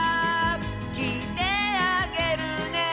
「きいてあげるね」